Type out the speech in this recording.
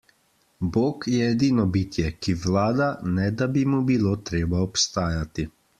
Bog je edino bitje, ki vlada, ne da bi mu bilo treba obstajati.